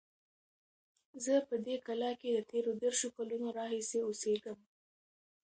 زه په دې کلا کې د تېرو دېرشو کلونو راهیسې اوسیږم.